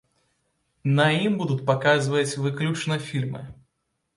На ім будуць паказваць выключна фільмы.